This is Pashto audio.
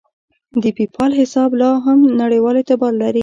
د پیپال حساب لاهم نړیوال اعتبار لري.